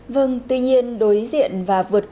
vâng tuy nhiên đối diện và vượt qua